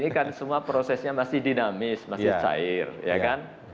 ini kan semua prosesnya masih dinamis masih cair ya kan